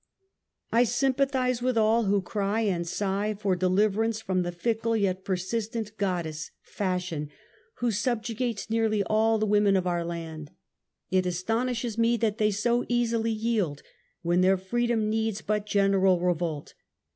I sympathize with all who cry and sigh for de liverance from the fickle yet persistent goddess — Fashion, who subjugates nearly all the women of our land. It astonishes me that they so easily yield, when their freedom needs but general revolt.